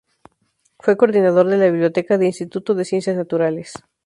Fue coordinador de la biblioteca de Instituto de Ciencias Naturales.